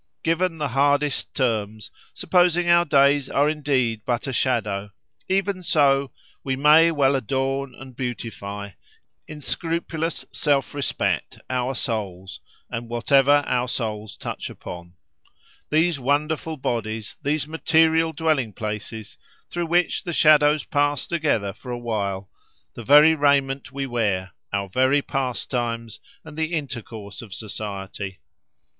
Given the hardest terms, supposing our days are indeed but a shadow, even so, we may well adorn and beautify, in scrupulous self respect, our souls, and whatever our souls touch upon—these wonderful bodies, these material dwelling places through which the shadows pass together for a while, the very raiment we wear, our very pastimes and the intercourse of society.